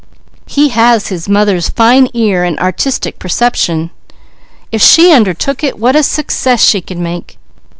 "He has his mother's fine ear and artistic perception. If she undertook it, what a success she could make!"